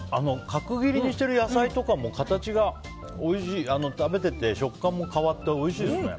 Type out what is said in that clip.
角切りにしてる野菜とかも形が食べてて、食感も変わっておいしいですね。